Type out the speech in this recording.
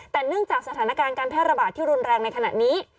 แต่เนื่องจากสถานการณ์การแพร่ระบาดที่รุนแรงในขณะนี้